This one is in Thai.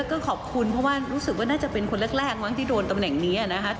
ก็ขอบคุณเพราะว่ารู้สึกว่าน่าจะเป็นคนแรกมั้งที่โดนตำแหน่งนี้นะคะ